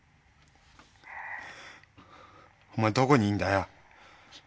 お前どこにいんだよ？